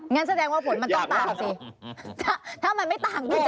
งั้นแสดงว่าผลมันต้องตามสิถ้ามันไม่ตามก็จะอยากหรอ